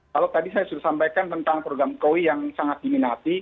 kalau tadi saya sudah sampaikan tentang program koi yang sangat diminati